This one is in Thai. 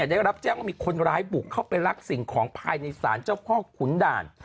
ได้รับแจ้งว่ามีคนร้ายบุกเข้าไปรักสิ่งของภายในศาลเจ้าพ่อขุนด่าน